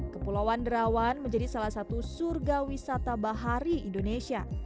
kepulauan derawan menjadi salah satu surga wisata bahari indonesia